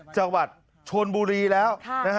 จังหวัดชนบุรีแล้ว